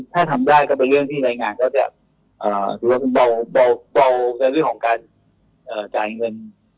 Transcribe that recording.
ถ้าทำได้ก็เป็นเรื่องที่รายงานก็จะรวมเบาในเรื่องของการจ่ายเงิน